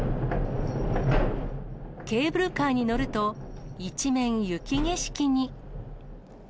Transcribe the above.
ケーブルカーに乗ると、一面雪景色に。